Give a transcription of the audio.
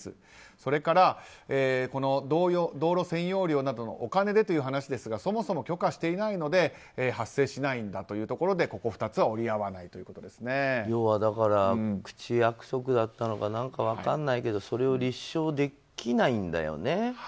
それから、道路占用料などのお金でという話ですがそもそも許可していないので発生しないんだというところでここ２つは要は、口約束だったのか何か分からないけどそれを立証できないんだよね。